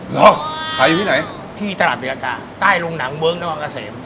เหรอขายอยู่ที่ไหนที่ตลาดบิลลักษณ์ใต้รุงหนังเบิ้งแล้วก็เซม